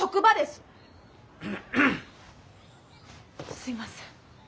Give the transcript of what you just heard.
すいません。